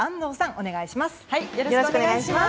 お願いします。